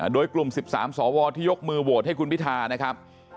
โดยกลุ่ม๑๓สวที่ยกมือโหวตให้คุณพิธานะครับ